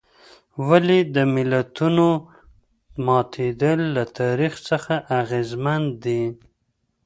ولې د ملتونو ماتېدل له تاریخ څخه اغېزمن دي.